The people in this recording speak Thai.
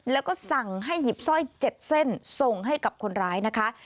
แล้วก็สั่งให้หยิบสร้อย๗เส้นส่งให้กับคนร้ายนะคะ